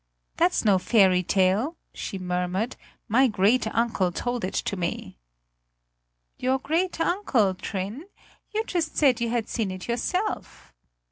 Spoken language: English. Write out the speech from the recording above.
"That's no fairy tale," she murmured, "my great uncle told it to me!" "Your great uncle, Trin? You just said you had seen it yourself."